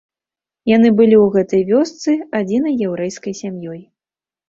Яны былі ў гэтай вёсцы адзінай яўрэйскай сям'ёй.